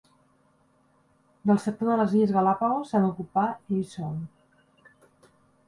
Del sector de les Illes Galápagos se n'ocupà ell sol.